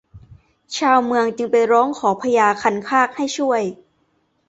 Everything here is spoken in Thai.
ชาวเมืองจึงไปร้องขอพญาคันคากให้ช่วย